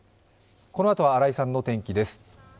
このあとは新井さんの天気です。